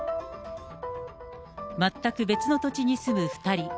全く別の土地に住む２人。